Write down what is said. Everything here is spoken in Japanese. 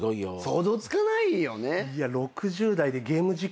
想像つかないよね。